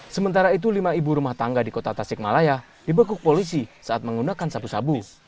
sementara itu lima ibu rumah tangga di kota tasikmalaya dibekuk polisi saat menggunakan sabu sabu